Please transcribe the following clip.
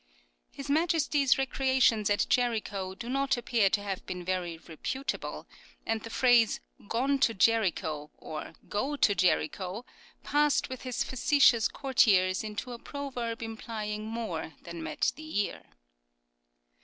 His Majesty's recrea tions at Jericho do not appear to have been very reputable, and the phrase " Gone to Jericho," or " Go to Jericho," passed with his facetious courtiers into a proverb implying more than met the' ear.